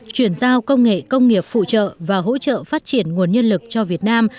chuyển giao công nghệ công nghiệp phụ trợ và hỗ trợ phát triển nguồn nhân lực cho việt nam